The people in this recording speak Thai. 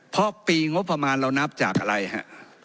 เพราะปีงบประมาณเรานับจากอะไรฮะ